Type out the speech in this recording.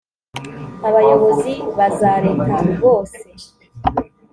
abayobozi ba za leta bose